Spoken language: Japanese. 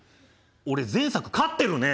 俺前作勝ってるね。